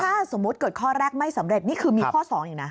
ถ้าสมมุติเกิดข้อแรกไม่สำเร็จนี่คือมีข้อ๒อยู่นะ